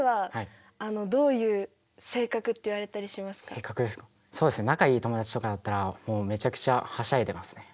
性格ですかそうですね仲いい友達とかだったらもうめちゃくちゃはしゃいでますね。